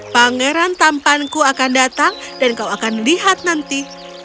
pangeran tampanku akan datang dan kau akan lihat nanti